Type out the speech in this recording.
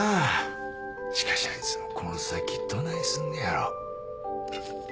しかしあいつもこの先どないすんのやろ？